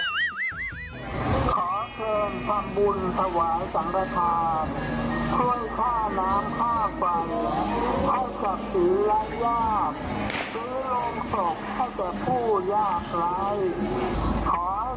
ขอเชิญทำบุญสวายสัมภาษณ์